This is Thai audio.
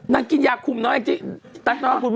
นางกินยากคุมเนาะแอ้งจี้